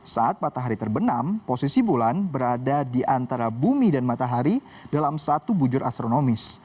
saat matahari terbenam posisi bulan berada di antara bumi dan matahari dalam satu bujur astronomis